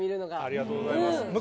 ありがとうございます。